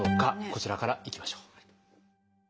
こちらからいきましょう。